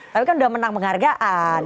tapi kan udah menang penghargaan